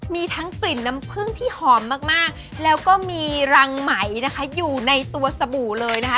มีทั้งกลิ่นน้ำผึ้งที่หอมมากแล้วก็มีรังไหมนะคะอยู่ในตัวสบู่เลยนะคะ